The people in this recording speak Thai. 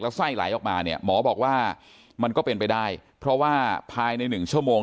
ไส้ไหลออกมาเนี่ยหมอบอกว่ามันก็เป็นไปได้เพราะว่าภายในหนึ่งชั่วโมง